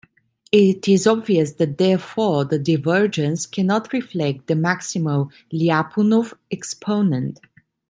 It is obvious that therefore the divergence cannot reflect the maximal Lyapunov exponent.